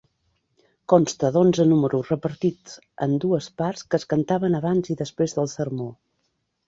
Consta d’onze números repartits en dues parts que es cantaven abans i després del sermó.